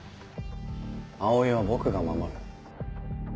葵は僕が守る。